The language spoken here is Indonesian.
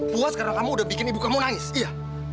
puas karena kamu udah bikin ibu kamu nangis iya